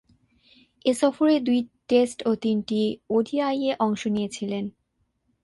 এ সফরেই দুই টেস্ট ও তিনটি ওডিআইয়ে অংশ নিয়েছিলেন।